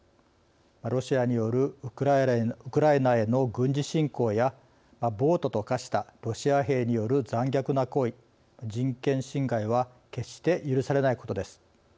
ロシアによるウクライナへの軍事侵攻や暴徒と化したロシア兵による残虐な行為、人権侵害は決して許されないことです。